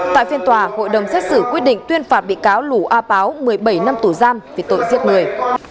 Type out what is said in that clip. tại phiên tòa hội đồng xét xử quyết định tuyên phạt bị cáo lù a páo một mươi bảy năm tù giam về tội giết người